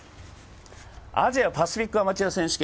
アジア・パシフィックアマチュア選手権。